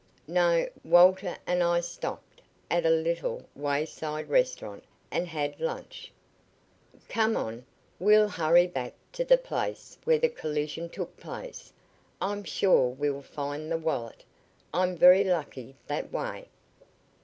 "No. Walter and I stopped at a little wayside restaurant and had lunch. Come on, we'll hurry back to the place where the collision took place. I'm sure we'll find the wallet. I'm very lucky that way."